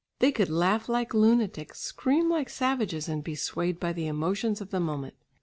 They could laugh like lunatics, scream like savages, and be swayed by the emotions of the moment.